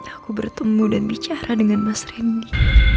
aku bertemu dan bicara dengan mas rendy